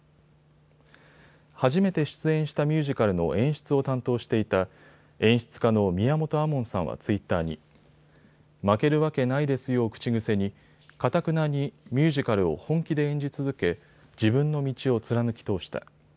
初めて出演したミュージカルの演出を担当していた演出家の宮本亞門さんはツイッターに負けるわけないですよを口癖にかたくなにミュージカルを本気で演じ続け、自分の道を貫き通した。